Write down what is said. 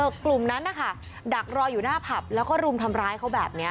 กลุ่มนั้นนะคะดักรออยู่หน้าผับแล้วก็รุมทำร้ายเขาแบบนี้